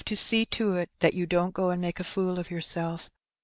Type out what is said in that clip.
243 to see to it that you don^t go and make a fool of yourself.